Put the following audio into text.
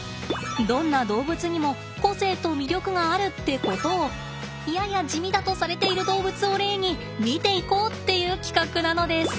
どんな動物にも個性と魅力があるってことをやや地味だとされている動物を例に見ていこうっていう企画なのです。